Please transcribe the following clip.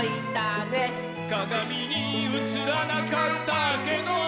「かがみにうつらなかったけど」